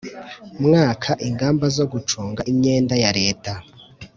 mwaka ingamba zo gucunga imyenda ya Leta